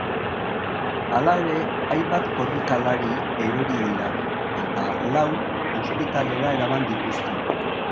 Hala ere, hainbat korrikalari erori dira, eta lau ospitalera eraman dituzte.